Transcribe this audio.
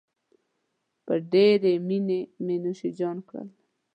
په ډېرې مينې مې نوشیجان کړل.